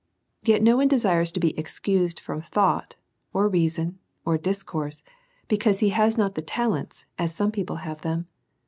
Yet no one desires to be excused from thought, or reason, or discourse, because he has not these talents as some people have them.